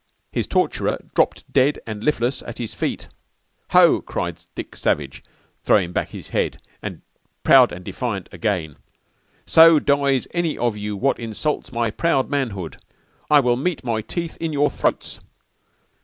His torturer dropped ded and lifless at his feet._ _"'Ho!' cried Dick Savage, throwing back his head, proud and defiant again, 'So dies any of you wot insults my proud manhood. I will meet my teeth in your throtes.'